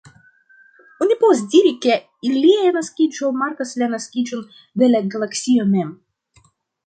Oni povas diri, ke ilia naskiĝo markas la naskiĝon de la Galaksio mem.